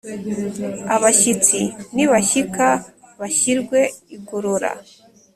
Abashyitsi nibashyika bashyirwe igorora